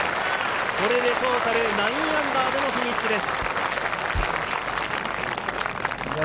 これでトータル−９でのフィニッシュです。